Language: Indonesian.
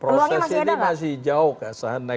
proses ini masih jauh ke sana